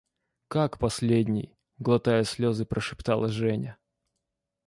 – Как – последний? – глотая слезы, прошептала Женя.